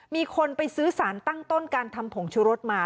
มีคนไปซื้อสารตั้งต้นการทำผงชุรสมา